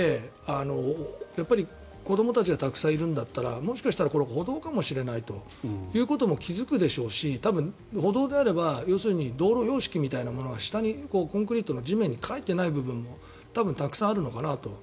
やっぱり子どもたちがたくさんいるんだったらもしかしたら歩道かもしれないということにも気付くでしょうし歩道であれば道路標識みたいなものが下にコンクリートの地面に描いていない部分も多分たくさんあるのかなと。